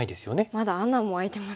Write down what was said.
まだ穴も開いてますしね。